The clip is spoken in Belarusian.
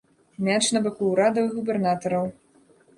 Мяч на баку ўрада і губернатараў.